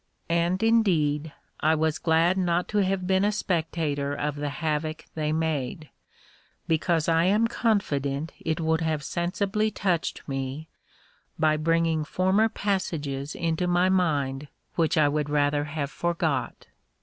And, indeed, I was glad not to have been a spectator of the havoc they made; because I am confident it would have sensibly touched me, by bringing former passages into my mind which I would rather have forgot.